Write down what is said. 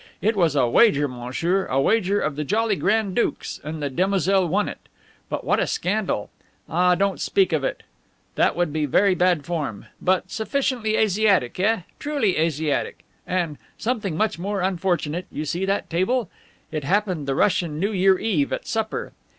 It was a wager, monsieur, a wager of the jolly grand duke's, and the demoiselle won it. But what a scandal! Ah, don't speak of it; that would be very bad form. But sufficiently Asiatic, eh? Truly Asiatic. And something much more unfortunate you see that table? It happened the Russian New Year Eve, at supper.